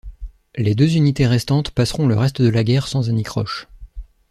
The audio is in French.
Les deux unités restantes passeront le reste de la guerre sans anicroche.